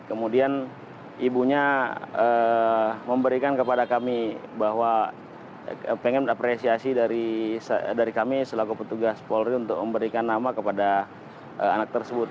kemudian ibunya memberikan kepada kami bahwa pengen apresiasi dari kami selaku petugas polri untuk memberikan nama kepada anak tersebut